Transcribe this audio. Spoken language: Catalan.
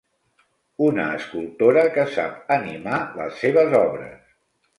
Una escultora que sap animar les seves obres.